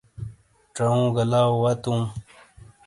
ژاوگہ لاؤ واتو